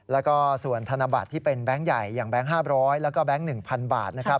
และส่วนธนบัตรที่เป็นแบงค์ใหญ่อย่างแบงค์๕๐๐และแบงค์๑๐๐๐บาท